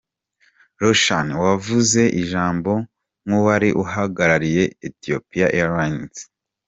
Roshan wavuze ijambo nk'uwari uhagarariye Ethipian Airlines .